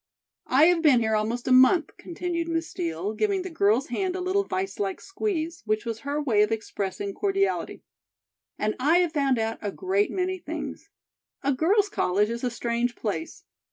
"I have been here almost a month," continued Miss Steel, giving the girl's hand a little vicelike squeeze, which was her way of expressing cordiality, "and I have found out a great many things. A girls' college is a strange place.